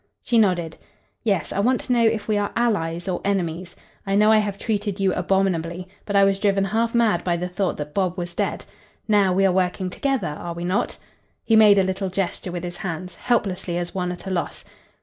She nodded. "Yes, I want to know if we are allies or enemies. I know I have treated you abominably, but I was driven half mad by the thought that Bob was dead. Now we are working together are we not?" He made a little gesture with his hands, helplessly as one at a loss.